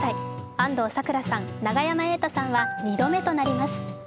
安藤サクラさん、永山瑛太さんは２度目となります。